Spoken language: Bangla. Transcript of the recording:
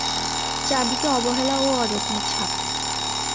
চারদিকে অবহেলা ও অযত্নের ছাপ।